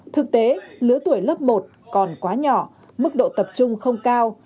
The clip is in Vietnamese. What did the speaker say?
thực tế lứa tuổi lớp một còn quá nhỏ mức độ tập trung không cao